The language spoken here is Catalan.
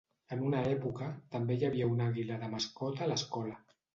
En una època, també hi havia una àguila de mascota a l'escola.